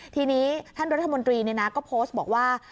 ทีนี้ท่านรัฐมนตรีก็โพสต์บอกว่า